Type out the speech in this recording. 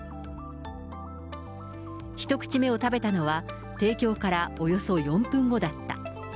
１口目を食べたのは、提供からおよそ４分後だった。